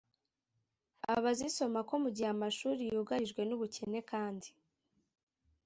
abazisoma ko mu gihe amashuri yugarijwe n ubukene kandi